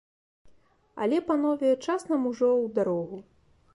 Але, панове, час нам ужо ў дарогу!